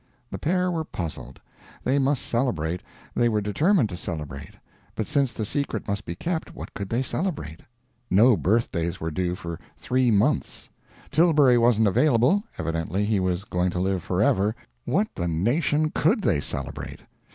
The pair were puzzled. They must celebrate, they were determined to celebrate, but since the secret must be kept, what could they celebrate? No birthdays were due for three months. Tilbury wasn't available, evidently he was going to live forever; what the nation _could _they celebrate?